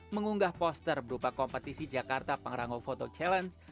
mengunggah poster berupa kompetisi jakarta pangrango photo challenge